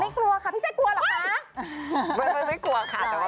ไม่ต้องกลัวค่ะพี่ใจกลัวหรือเปล่า